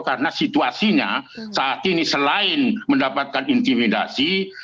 karena situasinya saat ini selain mendapatkan intimidasi